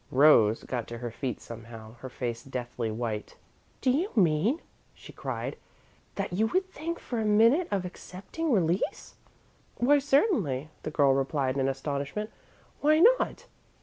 Rose got to her feet somehow, her face deathly white. "Do you mean," she cried, "that you would think for a minute of accepting release?" "Why, certainly," the girl replied, in astonishment. "Why not?